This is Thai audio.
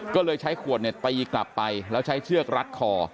ก็เลยใช้ขวดตีกลับไปแล้วใช้เชือกรัดคอ